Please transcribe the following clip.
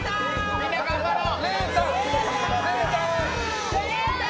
みんな、頑張ろう！